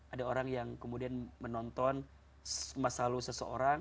ada orang yang kemudian menonton masa lalu seseorang